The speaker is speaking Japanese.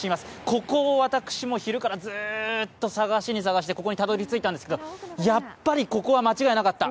ここを私も昼からずっと探しに探してここにたどりついたんですけど、やっぱりここは間違いなかった。